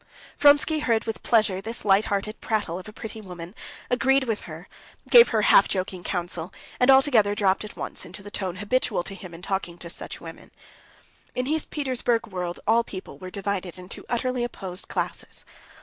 Vronsky heard with pleasure this light hearted prattle of a pretty woman, agreed with her, gave her half joking counsel, and altogether dropped at once into the tone habitual to him in talking to such women. In his Petersburg world all people were divided into utterly opposed classes.